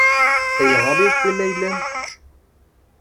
Ayɣer i wwin ayla-m?